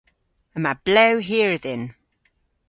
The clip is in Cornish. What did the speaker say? Yma blew hir dhyn.